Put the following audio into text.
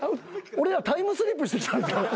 俺らタイムスリップしてきた。